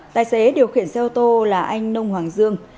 tài xế điều khiển xe ô tô là anh nông hoàng dương